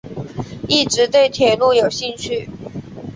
一直对铁路有兴趣。